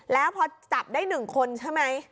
แล้วพอจับได้๑คนใช่ไหม